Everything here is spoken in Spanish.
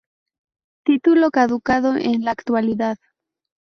Título caducado en la actualidad.